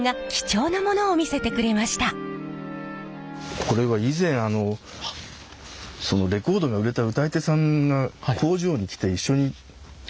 これは以前レコードが売れた歌い手さんが工場に来て一緒に撮ったものですね。